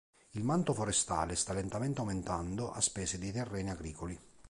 Il manto forestale sta lentamente aumentando a spese dei terreni agricoli.